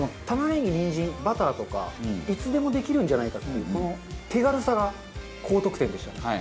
玉ねぎにんじんバターとかいつでもできるんじゃないかっていうこの手軽さが高得点でしたね。